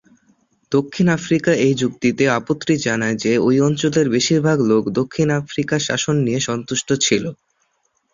দক্ষিণ আফ্রিকা এই যুক্তিতে আপত্তি জানায় যে ঐ অঞ্চলের বেশিরভাগ লোক দক্ষিণ আফ্রিকার শাসন নিয়ে সন্তুষ্ট ছিল।